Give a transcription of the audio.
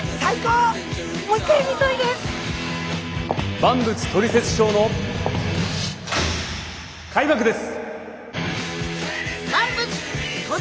「万物トリセツショー」の開幕です！